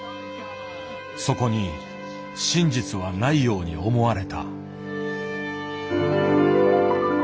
そこに真実はないように思われた。